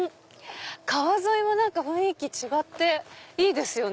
川沿いも雰囲気違っていいですよね。